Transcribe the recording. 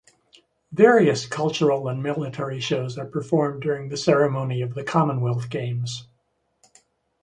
Various cultural and military shows are performed during the ceremony of the Commonwealth Games.